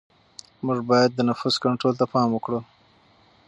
موږ باید د نفوس کنټرول ته پام وکړو.